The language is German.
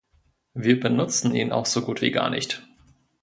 Wir benutzen ihn auch so gut wie gar nicht.